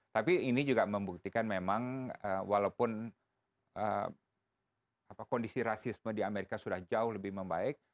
tapi ini juga membuktikan memang walaupun kondisi rasisme di amerika sudah jauh lebih membaik